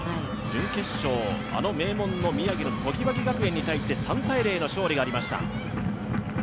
準決勝、あの名門の宮城の常盤木学園に対して３−０の勝利がありました。